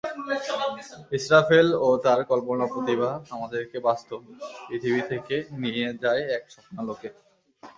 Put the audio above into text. ইসরাফেল-এ তাঁর কল্পনাপ্রতিভা আমাদেরকে বাস্তব পৃথিবী থেকে নিয়ে যায় এক স্বপ্নলোকে।